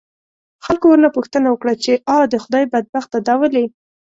خلکو ورنه پوښتنه وکړه، چې آ د خدای بدبخته دا ولې؟